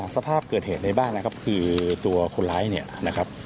สภาพเกิดเหตุในบ้านนะครับคือตัวคนร้ายเนี่ยนะครับ